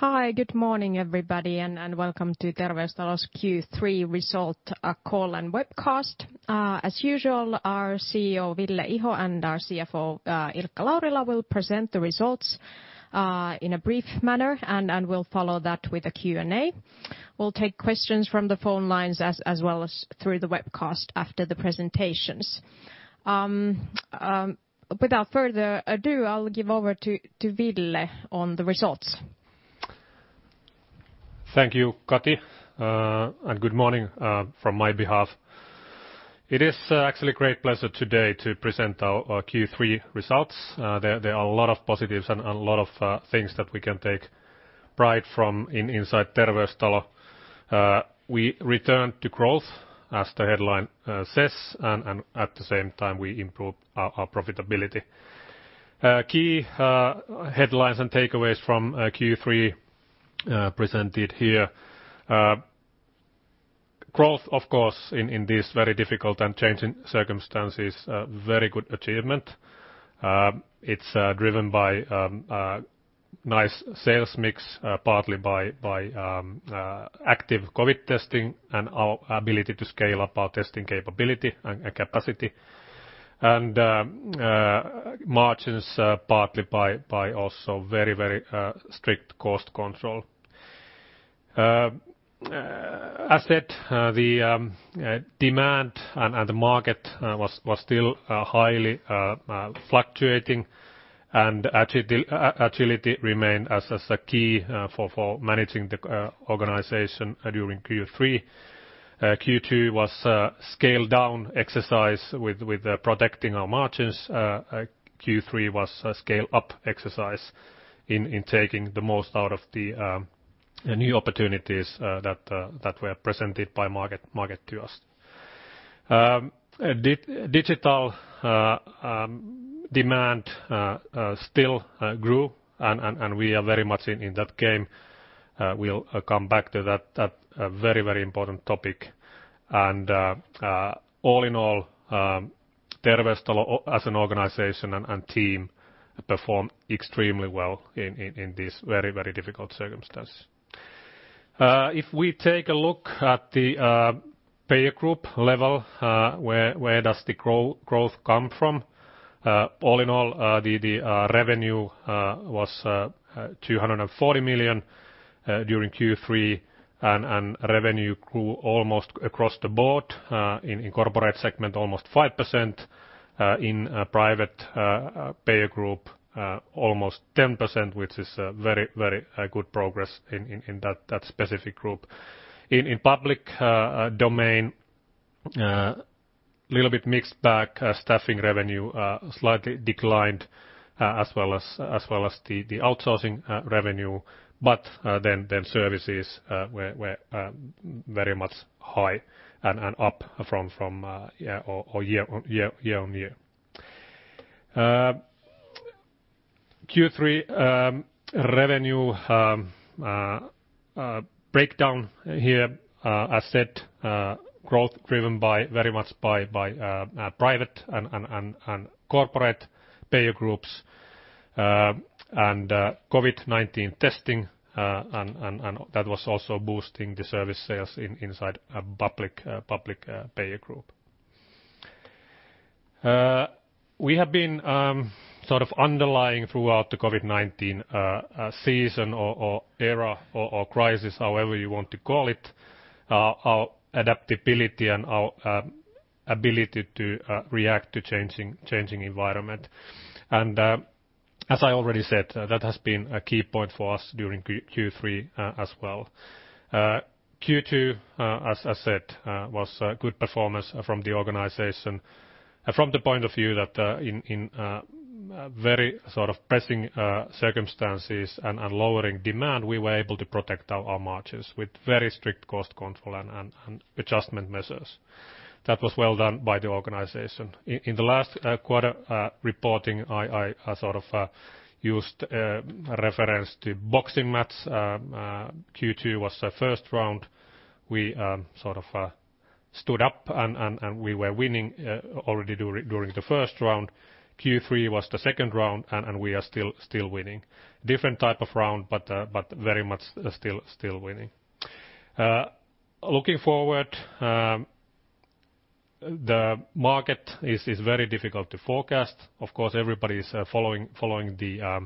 Hi, good morning, everybody, and welcome to Terveystalo's Q3 result call and webcast. As usual, our CEO, Ville Iho, and our CFO, Ilkka Laurila, will present the results in a brief manner, and we'll follow that with a Q&A. We'll take questions from the phone lines as well as through the webcast after the presentations. Without further ado, I'll give over to Ville on the results. Thank you, Kati, and good morning from my behalf. It is actually a great pleasure today to present our Q3 results. There are a lot of positives and a lot of things that we can take pride from inside Terveystalo. We returned to growth, as the headline says. At the same time, we improved our profitability. Key headlines and takeaways from Q3 presented here. Growth, of course, in this very difficult and changing circumstances, a very good achievement. It's driven by a nice sales mix, partly by active COVID-19 testing and our ability to scale up our testing capability and capacity. Margins partly by also very strict cost control. As said, the demand and the market was still highly fluctuating. Agility remained as a key for managing the organization during Q3. Q2 was a scale-down exercise with protecting our margins. Q3 was a scale-up exercise in taking the most out of the new opportunities that were presented by market to us. Digital demand still grew, and we are very much in that game. We'll come back to that very important topic. All in all, Terveystalo, as an organization and team, performed extremely well in this very difficult circumstance. If we take a look at the payer group level, where does the growth come from? All in all, the revenue was 240 million during Q3, and revenue grew almost across the board. In corporate segment, almost 5%. In private payer group, almost 10%, which is very good progress in that specific group. In public domain, little bit mixed bag. Staffing revenue slightly declined as well as the outsourcing revenue, but then services were very much high and up from year-over-year. Q3 revenue breakdown here. As said, growth driven very much by private and corporate payer groups and COVID-19 testing. That was also boosting the service sales inside public payer group. We have been sort of underlying throughout the COVID-19 season, or era or crisis, however you want to call it, our adaptability and our ability to react to changing environments. As I already said, that has been a key point for us during Q3 as well. Q2, as I said, was a good performance from the organization. From the point of view that in very pressing circumstances and lowering demand, we were able to protect our margins with very strict cost control and adjustment measures. That was well done by the organization. In the last quarter reporting, I sort of used a reference to boxing match. Q2 was the first round. We sort of stood up. We were winning already during the first round. Q3 was the second round. We are still winning. Different type of round, very much still winning. Looking forward, the market is very difficult to forecast. Of course, everybody's following the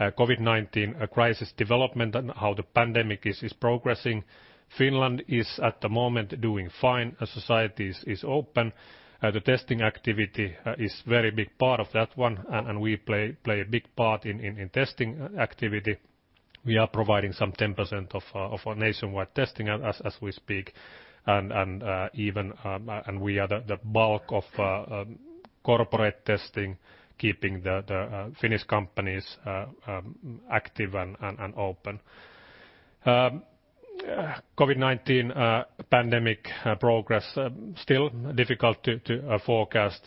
COVID-19 crisis development and how the pandemic is progressing. Finland is at the moment doing fine. Society is open. The testing activity is very big part of that one. We play a big part in testing activity. We are providing some 10% of our nationwide testing as we speak. We are the bulk of corporate testing, keeping the Finnish companies active and open. COVID-19 pandemic progress still difficult to forecast.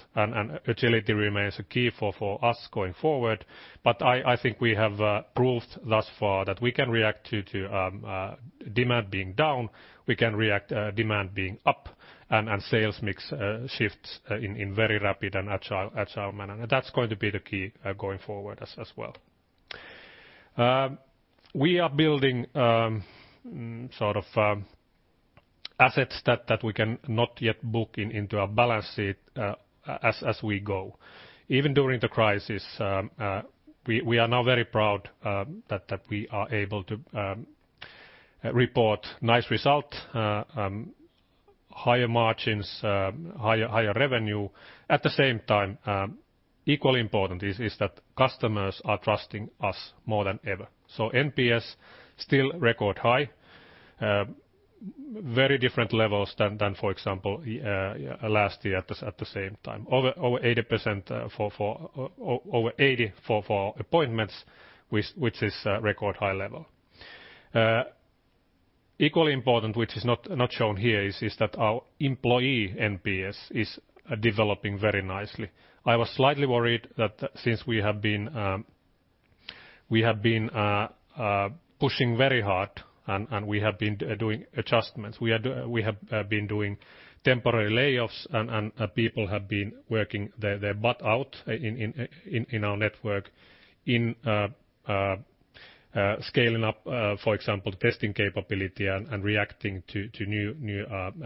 Agility remains a key for us going forward. I think we have proved thus far that we can react to demand being down, we can react demand being up, and sales mix shifts in very rapid and agile manner. That's going to be the key going forward as well. We are building assets that we cannot yet book into our balance sheet as we go. Even during the crisis, we are now very proud that we are able to report nice results, higher margins, higher revenue. At the same time, equally important is that customers are trusting us more than ever. NPS still record high. Very different levels than, for example, last year at the same time. Over 80 for appointments, which is a record high level. Equally important, which is not shown here, is that our employee NPS is developing very nicely. I was slightly worried that since we have been pushing very hard and we have been doing adjustments, we have been doing temporary layoffs, and people have been working their butts out in our network in scaling up, for example, testing capability and reacting to new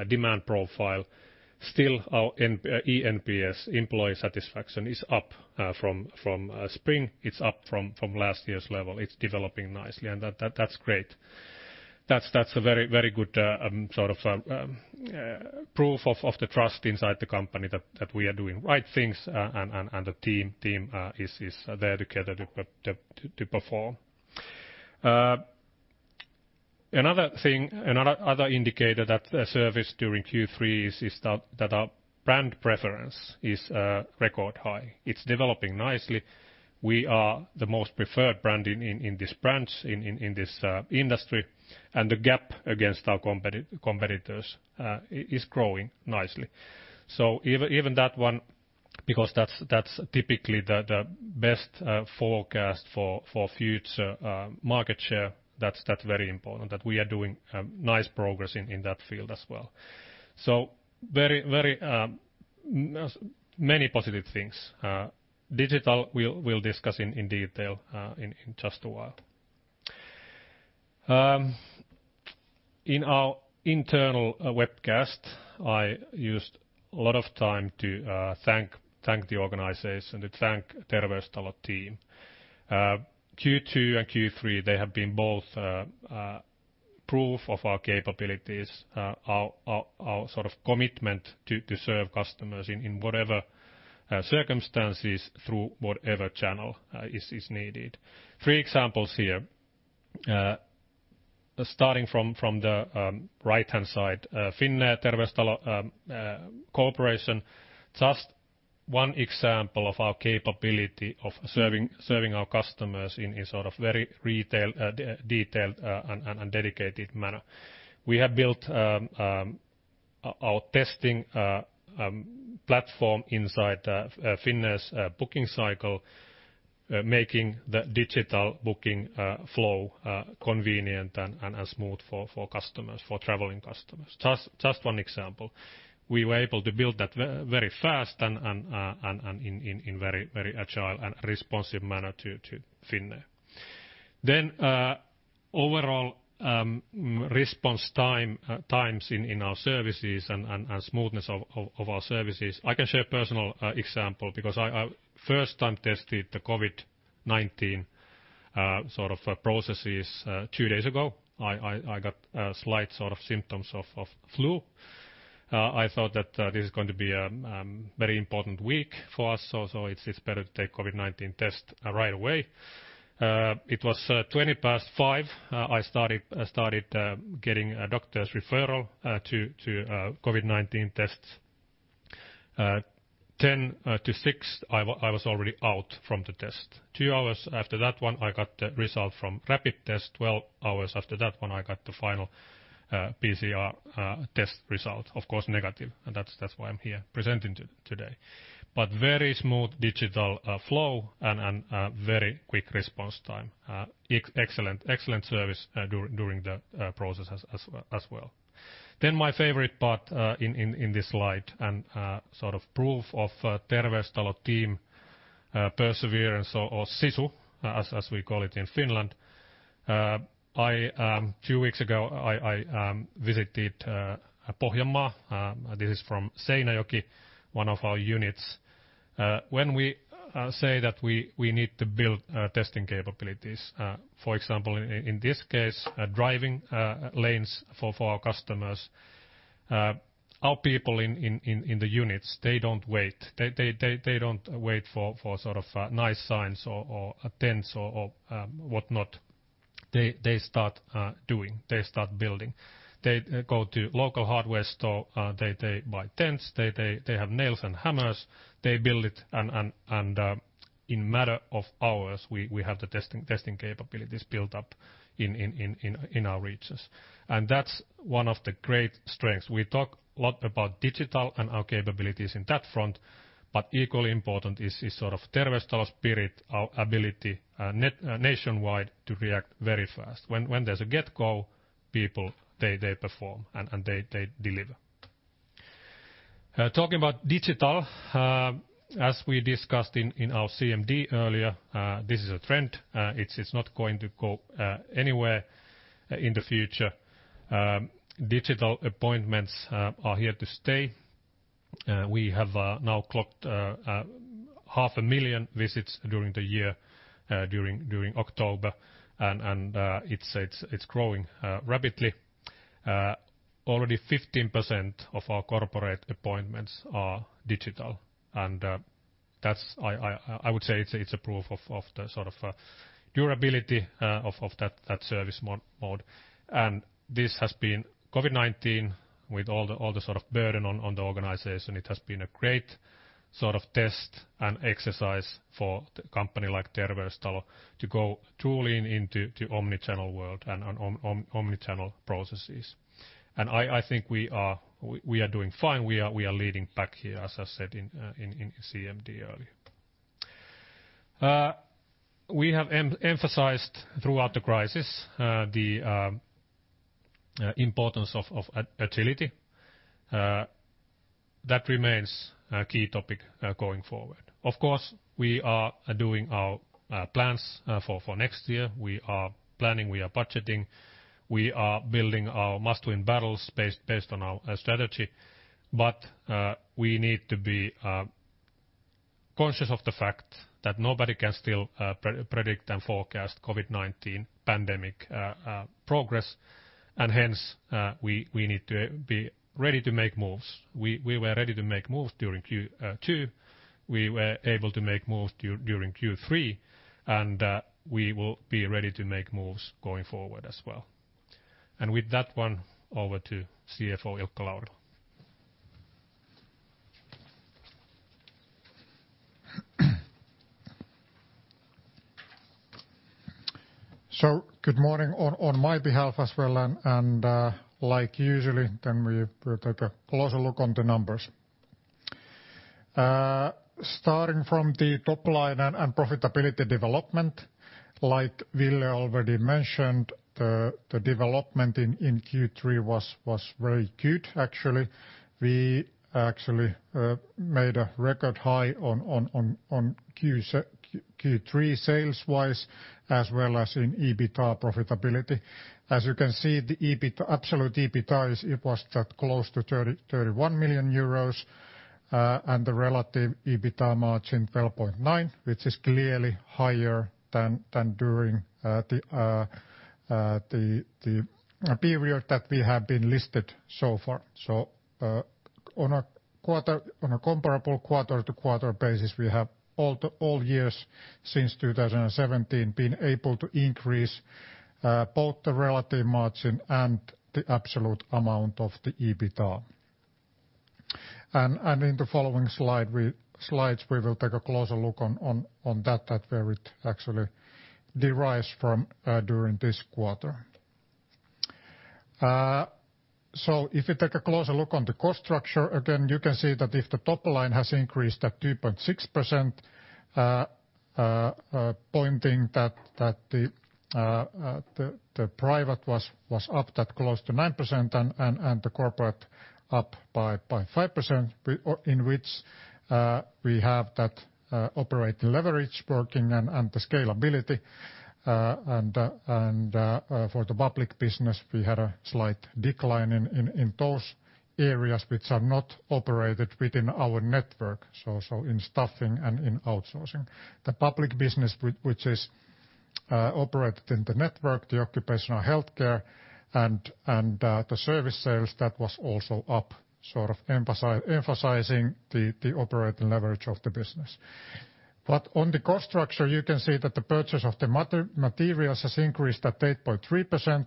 demand profiles. Our eNPS, employee satisfaction, is up from spring. It's up from last year's level. It's developing nicely. That's great. That's a very good proof of the trust inside the company that we are doing right things and the team is there together to perform. Another indicator that our service during Q3 is that our brand preference is record high. It's developing nicely. We are the most preferred brand in this branch, in this industry. The gap against our competitors is growing nicely. Even that one, because that's typically the best forecast for future market share, that's very important that we are doing nice progress in that field as well. Many positive things. Digital, we'll discuss in detail in just a while. In our internal webcast, I used a lot of time to thank the organization, to thank Terveystalo team. Q2 and Q3, they have been both proof of our capabilities, our commitment to serve customers in whatever circumstances through whatever channel is needed. Three examples here. Starting from the right-hand side, Finnair Terveystalo cooperation, just one example of our capability of serving our customers in a very detailed and dedicated manner. We have built our testing platform inside Finnair's booking cycle, making the digital booking flow convenient and smooth for traveling customers. Just one example. We were able to build that very fast and in very agile and responsive manner to Finnair. Overall response times in our services and smoothness of our services, I can share a personal example because I first time tested the COVID-19 processes two days ago. I got slight symptoms of flu. I thought that this is going to be a very important week for us, so it's better to take a COVID-19 test right away. It was 5:20 P.M.; I started getting a doctor's referral to COVID-19 tests. 5:50 P.M., I was already out from the test. Two hours after that one, I got the result from rapid test. 12 hours after that one, I got the final PCR test result. Of course, negative, and that's why I'm here presenting today. Very smooth digital flow and very quick response time. Excellent service during the process as well. My favorite part in this slide and proof of Terveystalo team's perseverance, or sisu, as we call it in Finland. Two weeks ago, I visited Pohjanmaa. This is from Seinäjoki, one of our units. When we say that we need to build testing capabilities, for example, in this case, driving lanes for our customers our people in the units, they don't wait. They don't wait for nice signs or tents or whatnot. They start doing. They start building. They go to local hardware store. They buy tents. They have nails and hammers. They build it, and in matter of hours, we have the testing capabilities built up in our reaches. That's one of the great strengths. We talk a lot about digital and our capabilities in that front, but equally important is Terveystalo spirit, our ability nationwide to react very fast. When there's a get-go, people, they perform and they deliver. Talking about digital, as we discussed in our CMD earlier, this is a trend. It's not going to go anywhere in the future. Digital appointments are here to stay. We have now clocked half a million visits during the year, during October, and it's growing rapidly. Already 15% of our corporate appointments are digital, and I would say it's a proof of the sort of durability of that service mode. This has been COVID-19 with all the sort of burden on the organization. It has been a great sort of test and exercise for the company like Terveystalo to go tooling into omnichannel world and on omnichannel processes. I think we are doing fine. We are leading back here, as I said in CMD earlier. We have emphasized throughout the crisis the importance of agility. That remains a key topic going forward. Of course, we are doing our plans for next year. We are planning, we are budgeting, we are building our must-win battles based on our strategy. We need to be conscious of the fact that nobody can still predict and forecast COVID-19 pandemic progress, and hence, we need to be ready to make moves. We were ready to make moves during Q2, we were able to make moves during Q3, and we will be ready to make moves going forward as well. With that one, over to CFO Ilkka Laurila. Good morning on my behalf as well, and like usually, we'll take a closer look on the numbers. Starting from the top line and profitability development, like Ville already mentioned, the development in Q3 was very good, actually. We actually made a record high on Q3 sales-wise, as well as in EBITDA profitability. As you can see, the absolute EBITDA, it was that close to 31 million euros, and the relative EBITDA margin 12.9%, which is clearly higher than during the period that we have been listed so far. On a comparable quarter-to-quarter basis, we have all years since 2017 been able to increase both the relative margin and the absolute amount of the EBITDA. In the following slides, we will take a closer look on that where it actually derives from during this quarter. If you take a closer look on the cost structure, again, you can see that if the top line has increased at 2.6%, pointing that the private was up that close to 9% and the corporate up by 5%, in which we have that operating leverage working and the scalability. For the public business, we had a slight decline in those areas which are not operated within our network, so in staffing and in outsourcing. The public business, which is operated in the network, the occupational healthcare, and the service sales, that was also up sort of emphasizing the operating leverage of the business. On the cost structure, you can see that the purchase of the materials has increased at 8.3%.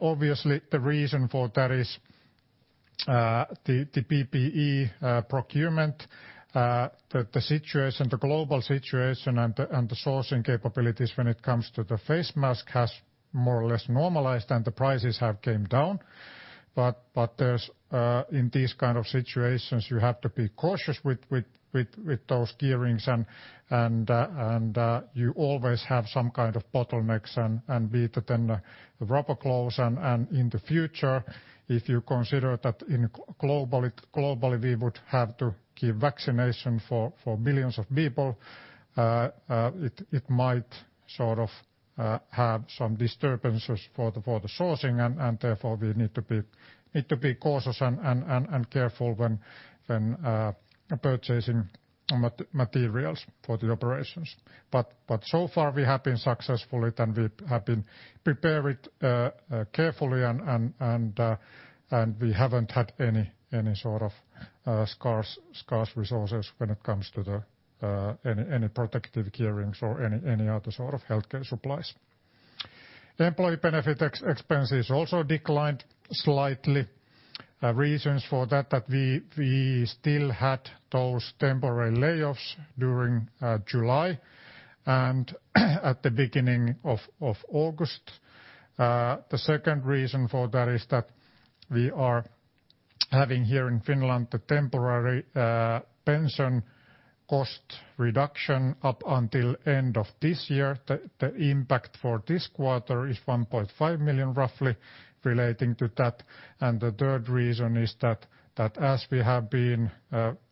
Obviously, the reason for that is the PPE procurement. The global situation and the sourcing capabilities when it comes to the face mask has more or less normalized, and the prices have came down. In these kinds of situations, you have to be cautious with those gearings, and you always have some kind of bottlenecks and be it in the rubber gloves. In the future, if you consider that globally, we would have to give vaccination for billions of people it might sort of have some disturbances for the sourcing and therefore we need to be cautious and careful when purchasing materials for the operations. So far we have been successful it and we have been prepared carefully, and we haven't had any sort of scarce resources when it comes to any protective gearings or any other sort of healthcare supplies. Employee benefit expenses also declined slightly. Reasons for that we still had those temporary layoffs during July and at the beginning of August. The second reason for that is that we are having here in Finland the temporary pension cost reduction up until end of this year; the impact for this quarter is 1.5 million, roughly relating to that. The third reason is that as we have been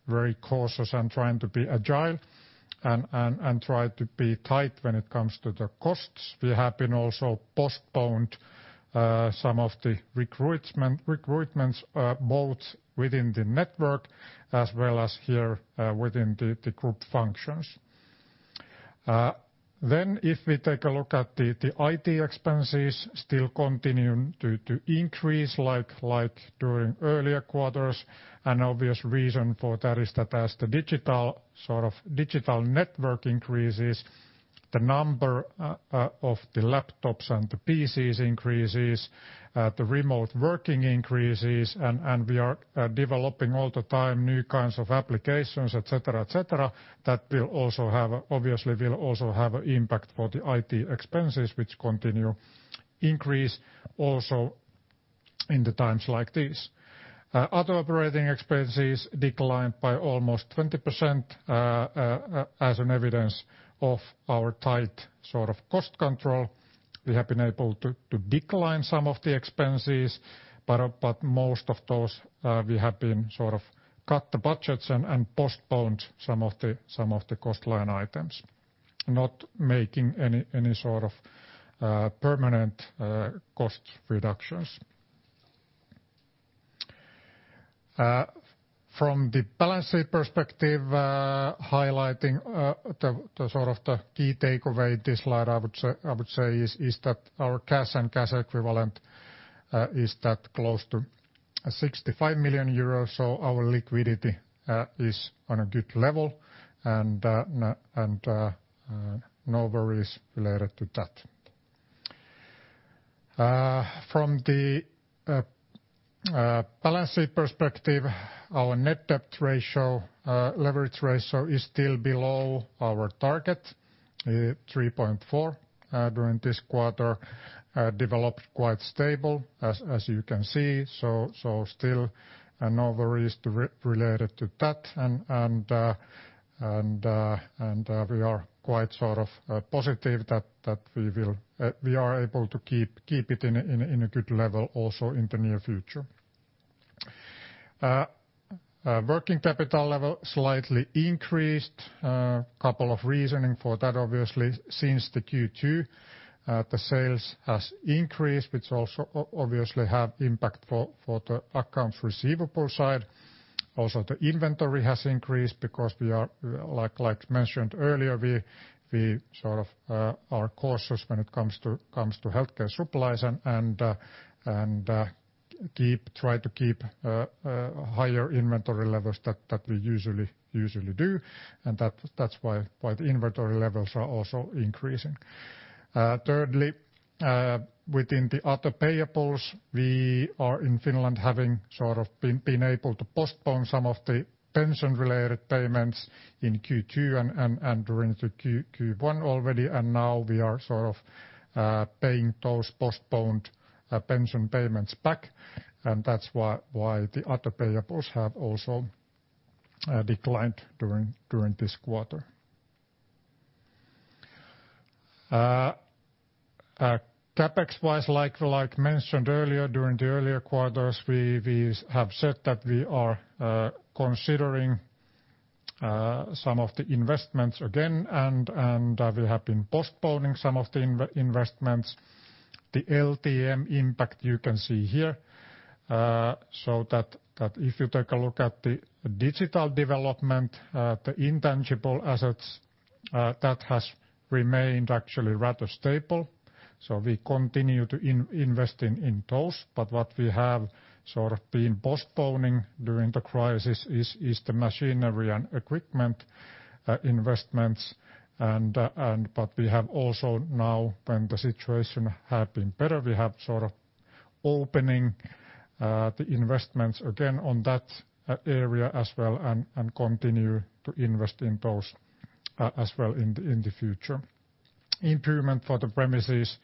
very cautious and trying to be agile and try to be tight when it comes to the costs, we have been also postponed some of the recruitments both within the network as well as here within the group functions. If we take a look at the IT expenses still continuing to increase like during earlier quarters, an obvious reason for that is that as the digital network increases, the number of the laptops and the PCs increases, the remote working increases, and we are developing all the time new kinds of applications, et cetera. That obviously will also have impact for the IT expenses, which continue to increase also in the times like this. Other operating expenses declined by almost 20%, as an evidence of our tight cost control. We have been able to decline some of the expenses, but most of those we have cut the budgets and postponed some of the cost line items, not making any sort of permanent cost reductions. From the balance sheet perspective, highlighting the key takeaway, this slide, I would say, is that our cash and cash equivalent is close to 65 million euros. Our liquidity is on a good level and no worries related to that. From the balance sheet perspective, our net debt ratio, leverage ratio is still below our target of 3.4 during this quarter, developed quite stable as you can see. Still no worries related to that and we are quite positive that we are able to keep it in a good level also in the near future. Working capital level slightly increased. Couple of reasoning for that, obviously, since the Q2 the sales has increased, which also obviously have impact for the accounts receivable side. The inventory has increased because like mentioned earlier, we are cautious when it comes to healthcare supplies and try to keep higher inventory levels that we usually do, and that's why the inventory levels are also increasing. Thirdly, within the other payables, we are in Finland, having been able to postpone some of the pension-related payments in Q2 and during the Q1 already. Now we are paying those postponed pension payments back, and that's why the other payables have also declined during this quarter. CapEx-wise, like mentioned earlier, during the earlier quarters, we have said that we are considering some of the investments again, and we have been postponing some of the investments. The LTM impact you can see here. That if you take a look at the digital development, the intangible assets, that has remained actually rather stable. We continue to investing in those. What we have been postponing during the crisis is the machinery and equipment investments. We have also now, when the situation have been better, we have opening the investments again on that area as well and continue to invest in those as well in the future. Improvement for the premises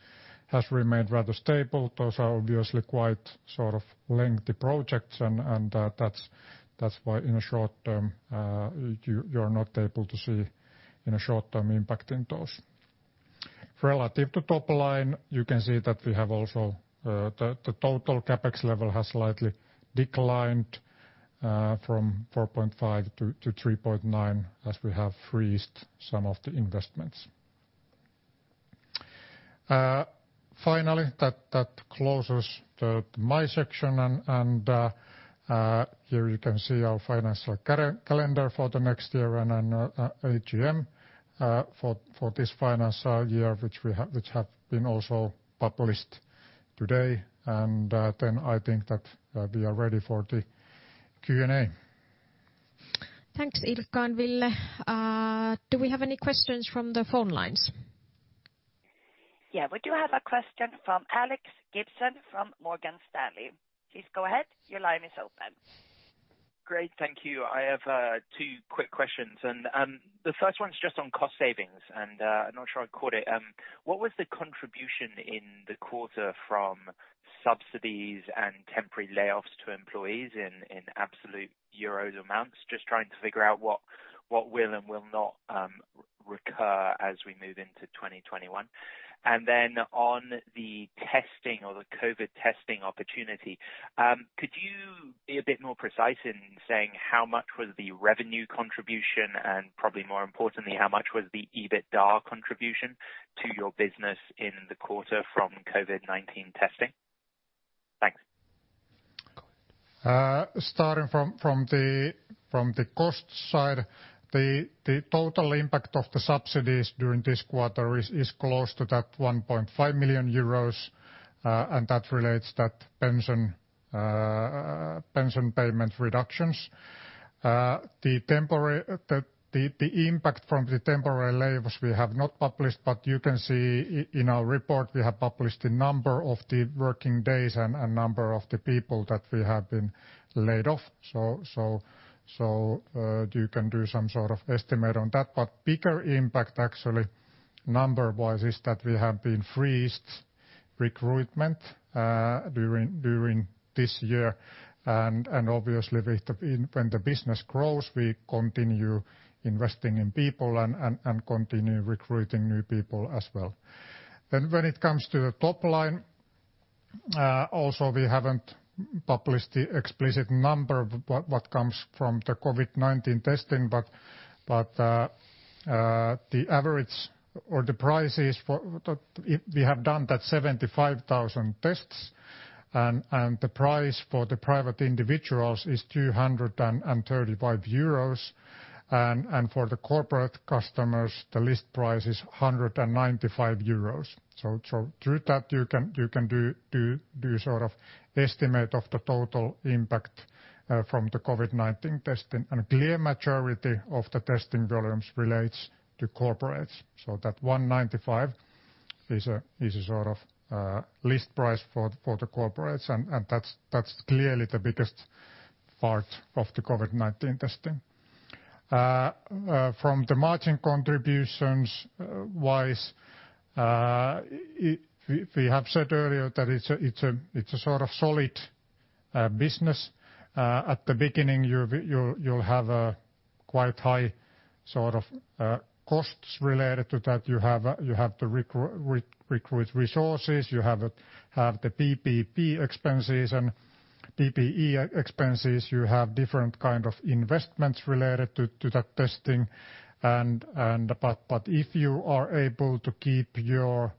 has remained rather stable. Those are obviously quite lengthy projects, and that's why, in a short term, you're not able to see in a short-term impact in those. Relative to top line, you can see that the total CapEx level has slightly declined from 4.5 to 3.9 as we have freezed some of the investments. Finally, that closes my section, and here you can see our financial calendar for the next year and AGM for this financial year, which have been also published today. Then I think that we are ready for the Q&A. Thanks, Ilkka and Ville. Do we have any questions from the phone lines? Yeah, we do have a question from Alex Gibson from Morgan Stanley. Please go ahead. Your line is open. Great. Thank you. I have two quick questions. The first one is just on cost savings, and I'm not sure I caught it. What was the contribution in the quarter from subsidies and temporary layoffs to employees in absolute EUR amounts? Just trying to figure out what will and will not recur as we move into 2021. Then on the testing, or the COVID-19 testing opportunity, could you be a bit more precise in saying how much was the revenue contribution and probably more importantly, how much was the EBITDA contribution to your business in the quarter from COVID-19 testing? Thanks. Starting from the cost side, the total impact of the subsidies during this quarter is close to 1.5 million euros. That relates that pension payment reductions. The impact from the temporary layoffs we have not published, but you can see in our report we have published the number of the working days and number of the people that we have been laid off. You can do some sort of estimate on that, but the bigger impact, actually, number-wise, is that we have been freezed recruitment during this year. Obviously when the business grows, we continue investing in people and continue recruiting new people as well. When it comes to the top line, also, we haven't published the explicit number what comes from the COVID-19 testing, but the average or the prices for We have done that 75,000 tests, and the price for the private individuals is 235 euros and for the corporate customers, the list price is 195 euros. Through that, you can do sort of estimate of the total impact from the COVID-19 testing. Clear majority of the testing volumes relates to corporates. That 195 is a sort of list price for the corporates, and that's clearly the biggest part of the COVID-19 testing. From the margin contributions-wise, we have said earlier that it's a sort of solid business. At the beginning, you'll have a quite high sort of costs related to that. You have to recruit resources; you have the PPE expenses. You have different kinds of investments related to that testing. If you are able to keep your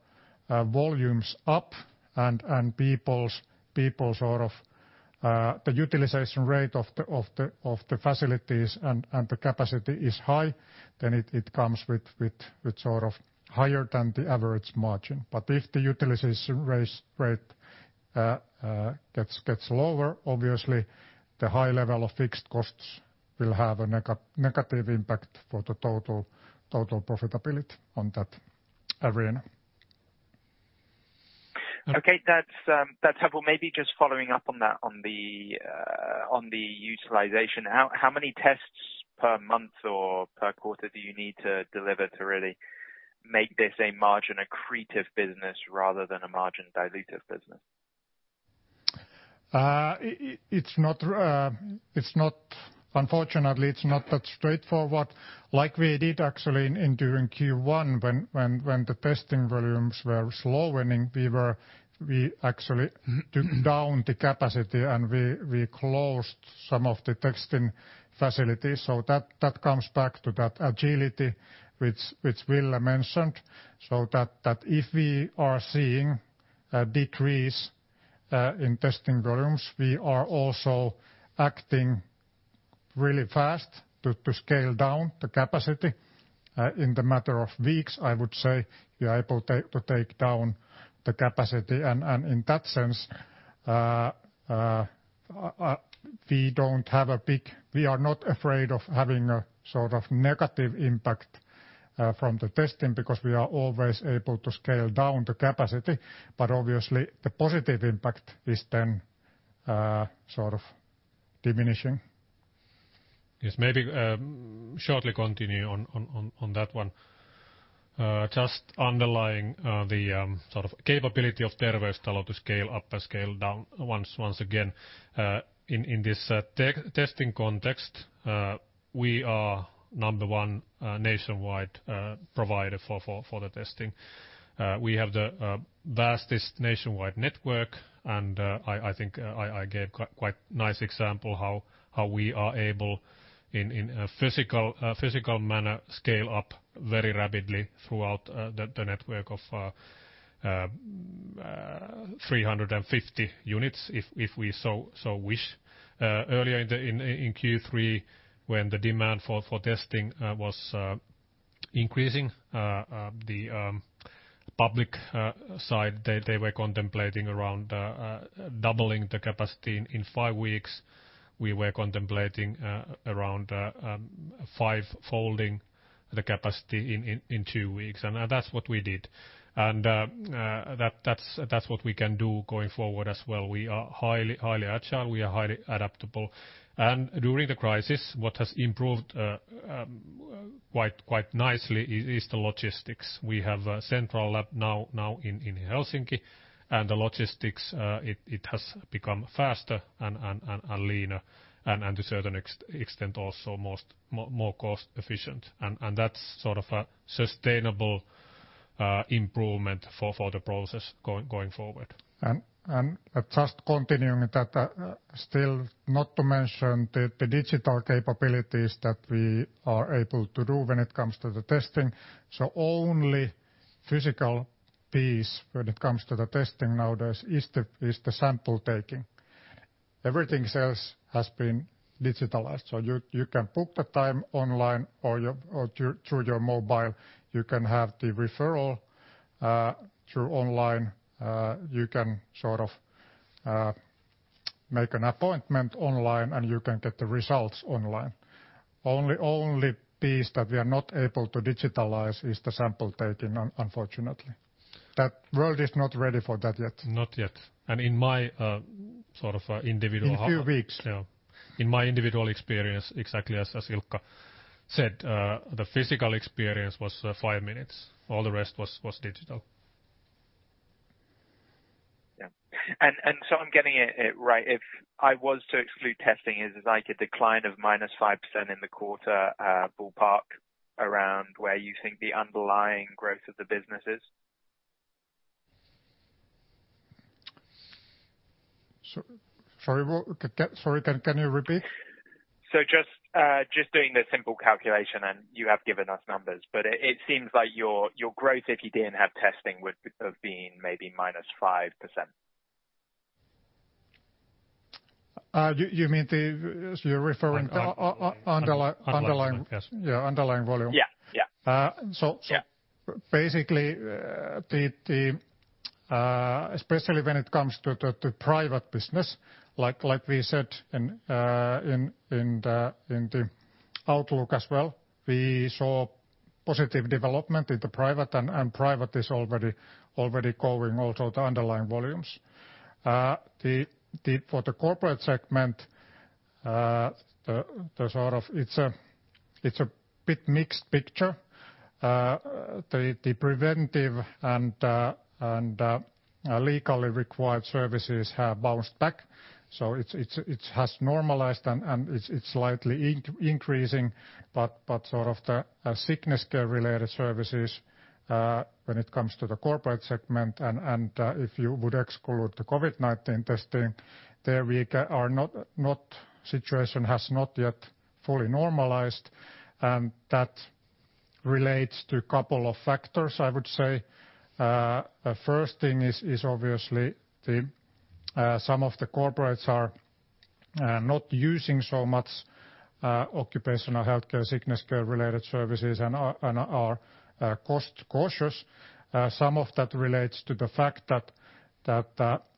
volumes up, the utilization rate of the facilities, and the capacity is high, then it comes with a sort of higher than the average margin. If the utilization rate gets lower, obviously the high level of fixed costs will have a negative impact for the total profitability on that arena. Okay. That's helpful. Maybe just following up on that, on the utilization. How many tests per month or per quarter do you need to deliver to really make this a margin-accretive business rather than a margin-dilutive business? Unfortunately, it's not that straightforward. We did actually, during Q1, when the testing volumes were slowing, we actually took down the capacity, and we closed some of the testing facilities. That comes back to that agility, which Ville mentioned. That if we are seeing a decrease in testing volumes, we are also acting really fast to scale down the capacity. In the matter of weeks, I would say, we are able to take down the capacity, and in that sense, we are not afraid of having a sort of negative impact from the testing because we are always able to scale down the capacity. Obviously the positive impact is then sort of diminishing. Maybe shortly continue on that one. Underlying the sort of capability of Terveystalo to scale up and scale down once again. In this testing context, we are number one nationwide provider for the testing. We have the vastest nationwide network. I think I gave quite nice example how we are able, in a physical manner, to scale up very rapidly throughout the network of 350 units if we so wish. Earlier in Q3, when the demand for testing was increasing on the public side. They were contemplating around doubling the capacity in five weeks. We were contemplating around five-folding the capacity in two weeks; that's what we did. That's what we can do going forward as well. We are highly agile; we are highly adaptable. During the crisis, what has improved quite nicely is the logistics. We have a central lab now in Helsinki, and the logistics it has become faster and leaner, and to a certain extent, also more cost-efficient. That's sort of a sustainable improvement for the process going forward. Just continuing that, still not to mention the digital capabilities that we are able to do when it comes to the testing. Only physical piece when it comes to the testing nowadays is the sample taking. Everything else has been digitalized. You can book the time online or through your mobile. You can have the referral through online. You can sort of make an appointment online, and you can get the results online. Only piece that we are not able to digitalize is the sample taking, unfortunately. That world is not ready for that yet. Not yet. In my sort of individual- In few weeks. Yeah. In my individual experience, exactly as Ilkka said the physical experience was five minutes. All the rest was digital. Yeah. I'm getting it right? If I was to exclude testing, is like a decline of minus 5% in the quarter ballpark around where you think the underlying growth of the business is? Sorry, what? Sorry, can you repeat? Just doing the simple calculation, and you have given us numbers, but it seems like your growth, if you didn't have testing, would have been maybe minus 5%. You mean, you're referring— Underlying Underlying Underlying, yes. Yeah, underlying volume. Yeah. Basically, especially when it comes to private business, like we said in the outlook as well, we saw positive development in the private, and private is already going also to underlying volumes. For the corporate segment, it's a bit mixed picture. The preventative and legally required services have bounced back, so it has normalized, and it's slightly increasing. Sort of the sickness care-related services when it comes to the corporate segment, and if you would exclude the COVID-19 testing, situation has not yet fully normalized, and that relates to a couple of factors, I would say. First thing is obviously some of the corporates are not using so much occupational healthcare, sickness care-related services, and are cost-cautious. Some of that relates to the fact that,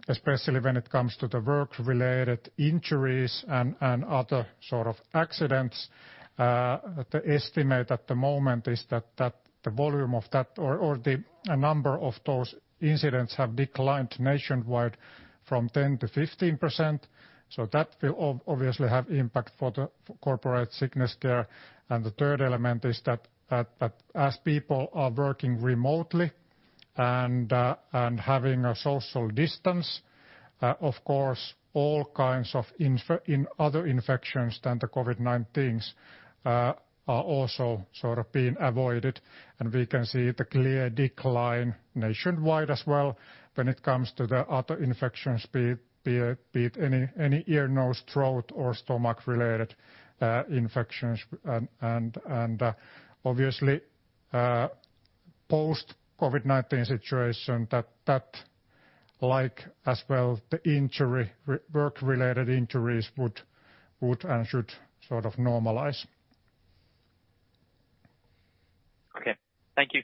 especially when it comes to the work-related injuries and other sorts of accidents, the estimate at the moment is that the volume of that, or the number of those incidents have declined nationwide from 10% to 15%. That will obviously have impact for the corporate sickness care. The third element is that as people are working remotely and having a social distance, of course, all kinds of other infections than the COVID-19 are also sort of being avoided. We can see the clear decline nationwide as well when it comes to the other infections, be it any ear, nose, throat, or stomach-related infections. Obviously post COVID-19 situation that like as well; the work-related injuries would and should sort of normalize. Okay. Thank you.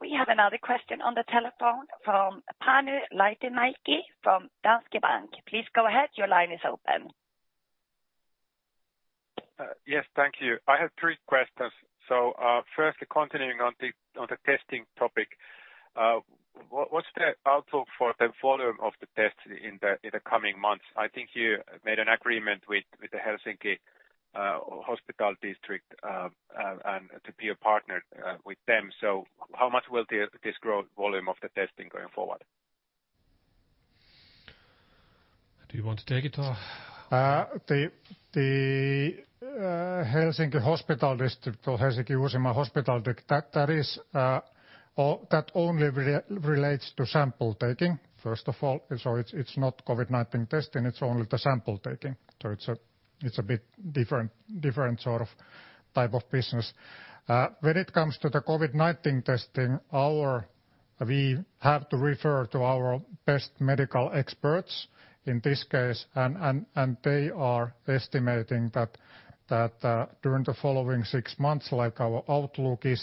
We have another question on the telephone from Panu Laitinmäki from Danske Bank. Please go ahead. Your line is open. Yes. Thank you. I have three questions. Firstly, continuing on the testing topic. What's the outlook for the volume of the tests in the coming months? I think you made an agreement with the Helsinki Hospital District to be a partner with them. How much will this growth volume of the testing going forward? Do you want to take it or? The Helsinki Hospital District, or Helsinki Uusimaa Hospital District that only relates to sample taking, first of all. It's not COVID-19 testing; it's only the sample taking. It's a bit different sort of type of business. When it comes to the COVID-19 testing, we have to refer to our best medical experts in this case, and they are estimating that during the following six months, like our outlook is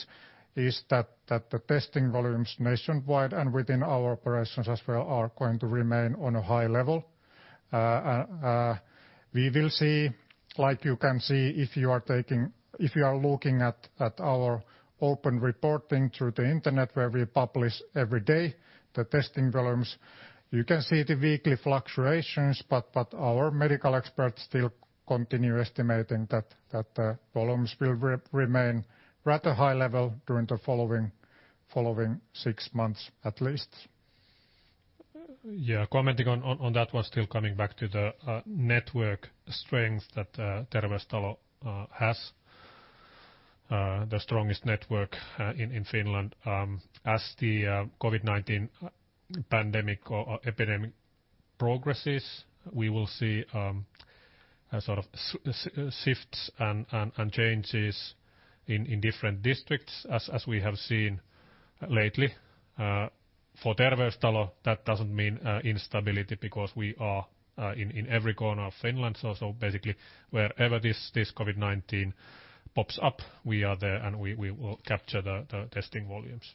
that the testing volumes nationwide and within our operations as well are going to remain on a high level. We will see, like you can see if you are looking at our open reporting through the internet, where we publish every day the testing volumes; you can see the weekly fluctuations, but our medical experts still continue estimating that the volumes will remain rather high level during the following six months, at least. Commenting on that one, still coming back to the network strength that Terveystalo has, the strongest network in Finland. As the COVID-19 pandemic or epidemic progresses, we will see shifts and changes in different districts as we have seen lately. For Terveystalo, that doesn't mean instability because we are in every corner of Finland. Basically, wherever this COVID-19 pops up, we are there, and we will capture the testing volumes.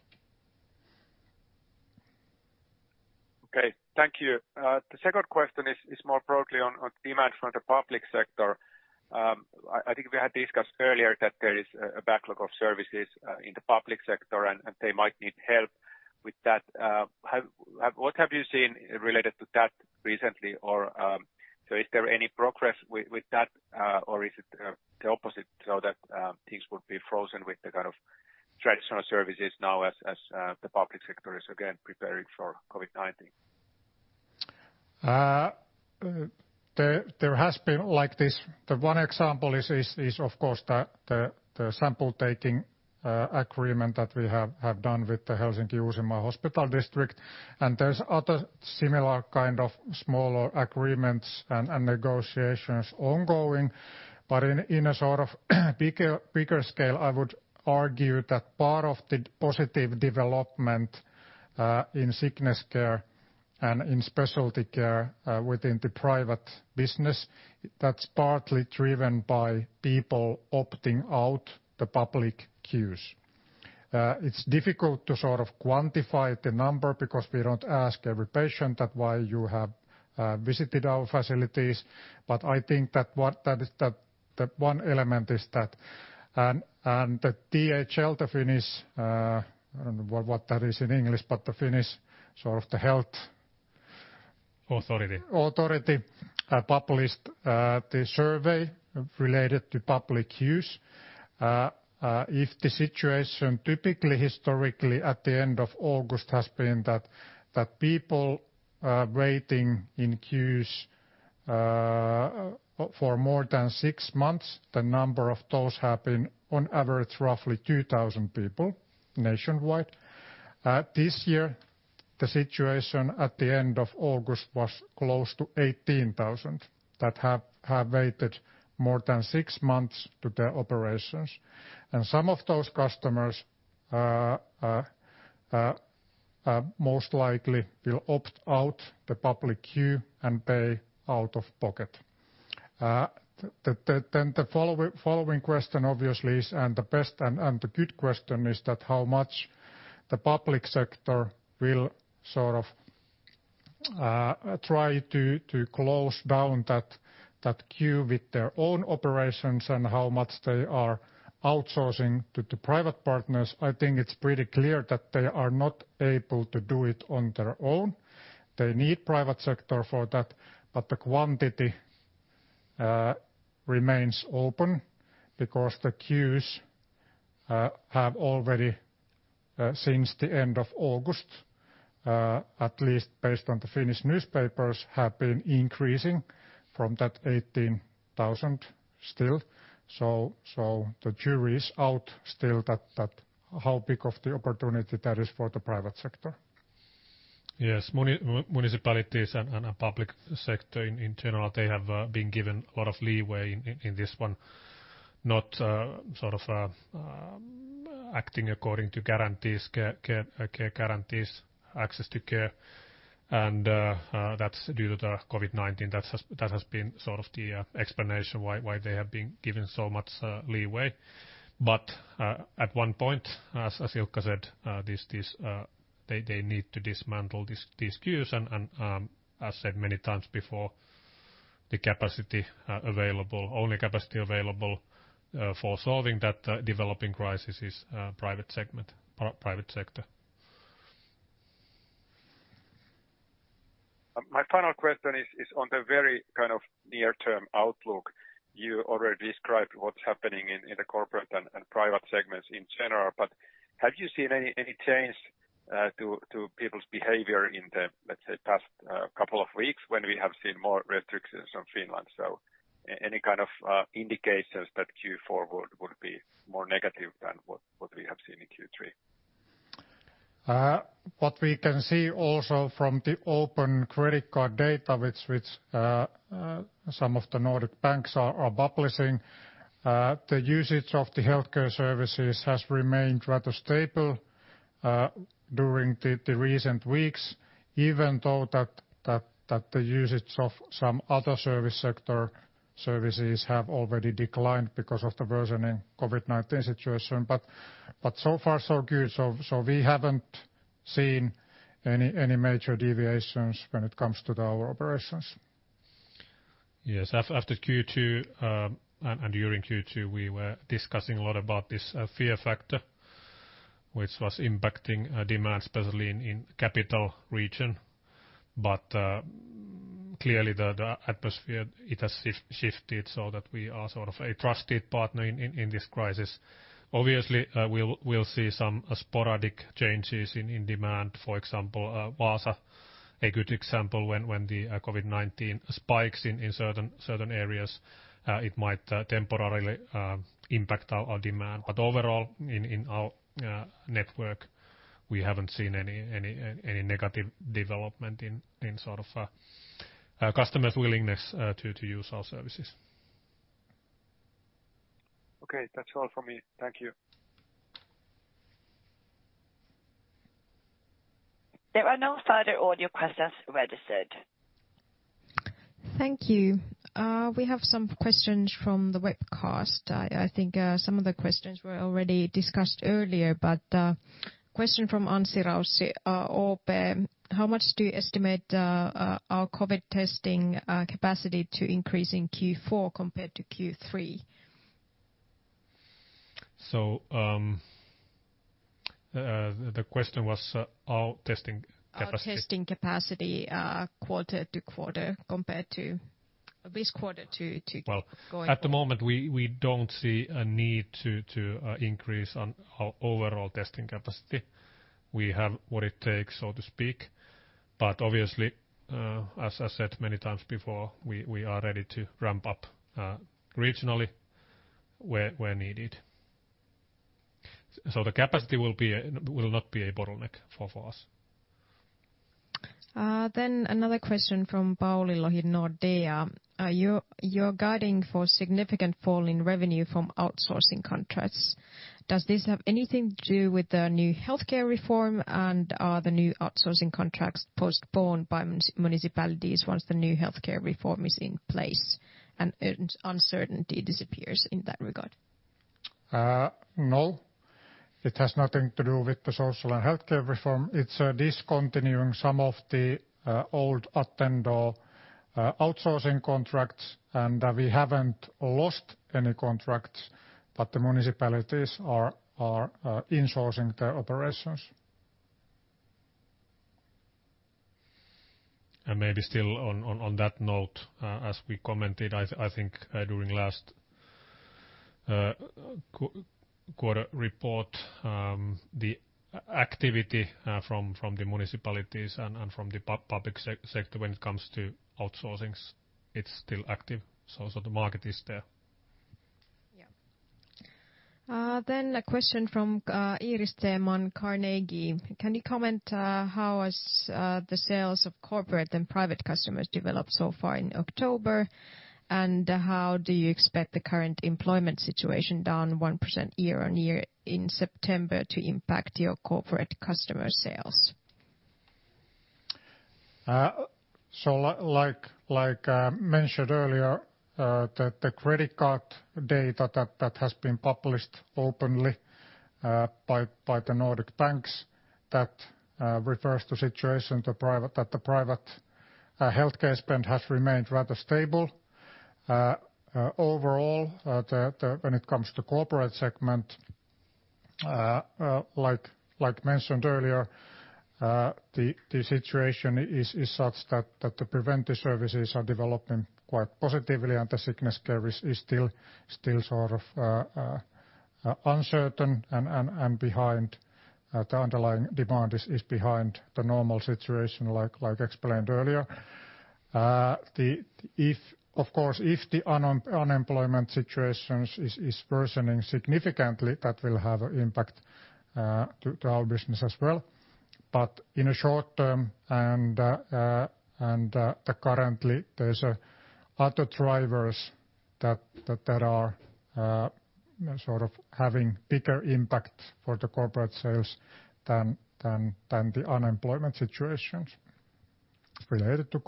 Okay. Thank you. The second question is more broadly on demand from the public sector. I think we had discussed earlier that there is a backlog of services in the public sector, and they might need help with that. What have you seen related to that recently? Is there any progress with that, or is it the opposite, so that things would be frozen with the kind of traditional services now as the public sector is again preparing for COVID-19? There has been like this. The one example is, of course, the sample-taking agreement that we have done with the Helsinki and Uusimaa Hospital District, and there's other similar kinds of smaller agreements and negotiations ongoing. In a sort of bigger scale, I would argue that part of the positive development in sickness care and in specialty care within the private business, that's partly driven by people opting out the public queues. It's difficult to quantify the number because we don't ask every patient that why you have visited our facilities. I think that one element is that. The THL, the Finnish, I don't know what that is in English, but the Finnish sort of the health— Authority The authority published the survey related to public use. The situation typically historically at the end of August has been that people waiting in queues for more than six months, the number of those have been on average roughly 2,000 people nationwide. This year, the situation at the end of August was close to 18,000 that have waited more than six months to their operations. Some of those customers most likely will opt out the public queue and pay out of pocket. The following question obviously is, and the best and the good question is that how much the public sector will sort of try to close down that queue with their own operations and how much they are outsourcing to private partners. I think it's pretty clear that they are not able to do it on their own. They need private sector for that, but the quantity remains open because the queues have already, since the end of August, at least based on the Finnish newspapers, have been increasing from that 18,000 still. The jury is out still that how big of the opportunity that is for the private sector. Yes. Municipalities and public sector in general, they have been given a lot of leeway in this one, not sort of acting according to care guarantees or access to care. That's due to the COVID-19. That has been sort of the explanation why they have been given so much leeway. At one point, as Ilkka said, they need to dismantle these queues. As said many times before, the only capacity available for solving that developing crisis is private sector. My final question is on the very kind of near-term outlook. You already described what's happening in the corporate and private segments in general, but have you seen any change to people's behavior in the, let's say, past couple of weeks when we have seen more restrictions on Finland? Any kind of indications that Q4 would be more negative than what we have seen in Q3? What we can see also from the open credit card data, which some of the Nordic banks are publishing, the usage of the healthcare services has remained rather stable during the recent weeks, even though the usage of some other service sector services have already declined because of the worsening COVID-19 situation. So far so good. We haven't seen any major deviations when it comes to our operations. Yes. After Q2 and during Q2, we were discussing a lot about this fear factor, which was impacting demand, especially in the capital region. Clearly, the atmosphere, it has shifted so that we are sort of a trusted partner in this crisis. Obviously, we'll see some sporadic changes in demand. For example, in Vaasa, a good example is when the COVID-19 spikes in certain areas, it might temporarily impact our demand. Overall, in our network, we haven't seen any negative development in customers' willingness to use our services. Okay. That's all from me. Thank you. There are no further audio questions registered. Thank you. We have some questions from the webcast. I think some of the questions were already discussed earlier, but a question from Anssi Raussi, OP: how much do you estimate our COVID-19 testing capacity to increase in Q4 compared to Q3? The question was our testing capacity. Our testing capacity quarter to quarter compared to this quarter to going forward. Well, at the moment, we don't see a need to increase on our overall testing capacity. We have what it takes, so to speak. Obviously, as I said many times before, we are ready to ramp up regionally where needed. The capacity will not be a bottleneck for us. Another question from Pauli Lohi, Nordea. You're guiding for a significant fall in revenue from outsourcing contracts. Does this have anything to do with the new healthcare reform? Are the new outsourcing contracts postponed by municipalities once the new healthcare reform is in place and uncertainty disappears in that regard? No. It has nothing to do with the social and healthcare reform. It's discontinuing some of the old Attendo outsourcing contracts, and we haven't lost any contracts, but the municipalities are insourcing their operations. Maybe still on that note, as we commented, I think, during the last quarter report, the activity from the municipalities and from the public sector when it comes to outsourcing is still active, so the market is there. Yeah. A question from Iiris Theman, Carnegie. Can you comment how has the sales of corporate and private customers developed so far in October? How do you expect the current employment situation down 1% year-on-year in September to impact your corporate customer sales? Like I mentioned earlier, the credit card data that has been published openly by the Nordic banks, that refers to the situation that the private healthcare spend has remained rather stable. Overall, when it comes to corporate segment, like mentioned earlier, the situation is such that the preventive services are developing quite positively and the sickness care is still sort of uncertain and behind the underlying demand is behind the normal situation like explained earlier. Of course, if the unemployment situation is worsening significantly, that will have an impact to our business as well. In a short term, and currently there's other drivers that are sort of having bigger impact for the corporate sales than the unemployment situation related to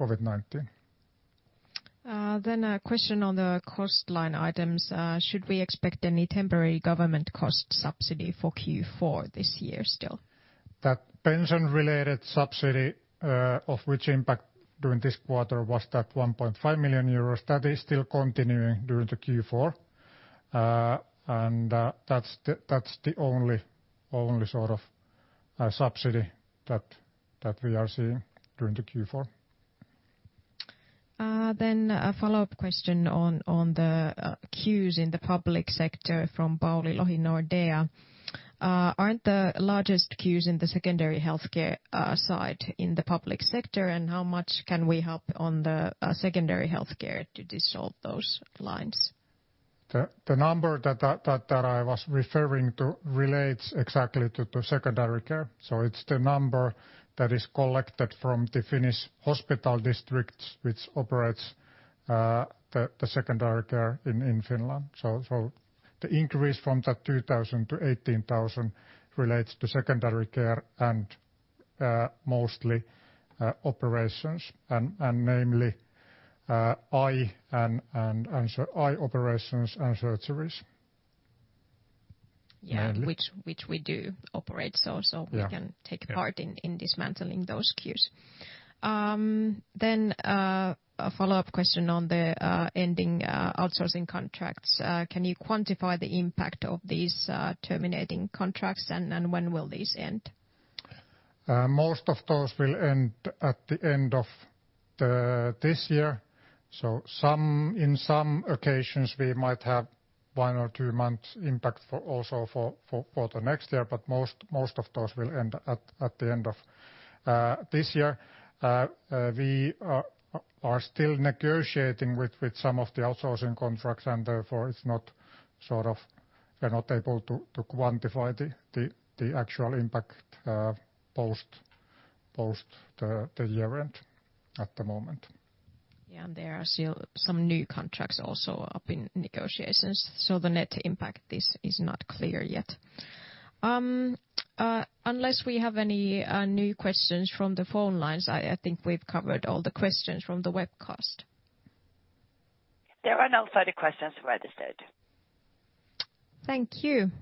COVID-19. A question on the cost line items. Should we expect any temporary government cost subsidy for Q4 this year still? That pension-related subsidy, of which impact during this quarter was 1.5 million euros, that is still continuing during the Q4. That's the only sort of subsidy that we are seeing during the Q4. A follow-up question on the queues in the public sector from Pauli Lohi, Nordea. Aren't the largest queues in the secondary healthcare side in the public sector? How much can we help on the secondary healthcare to dissolve those lines? The number that I was referring to relates exactly to the secondary care. It's the number that is collected from the Finnish hospital districts, which operate the secondary care in Finland. The increase from that 2,000 to 18,000 relates to secondary care and mostly operations, and namely eye operations and surgeries. Mainly. Yeah. Which we do operate— Yeah. We can take part in dismantling those queues. A follow-up question on the ending outsourcing contracts. Can you quantify the impact of these terminating contracts, and when will these end? Most of those will end at the end of this year. In some occasions, we might have one or two months impact also for the next year, but most of those will end at the end of this year. We are still negotiating with some of the outsourcing contracts. Therefore, we're not able to quantify the actual impact post the year-end at the moment. Yeah. There are still some new contracts also up in negotiations. The net impact, this is not clear yet. Unless we have any new questions from the phone lines, I think we've covered all the questions from the webcast. There are no further questions registered. Thank you.